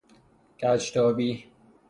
کج تابی